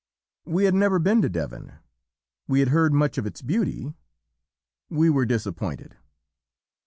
"We had never been to Devon; we had heard much of its beauty; we were disappointed.